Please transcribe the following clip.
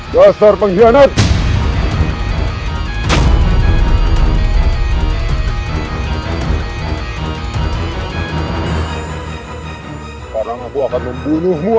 tangan tangan aku akan membantumu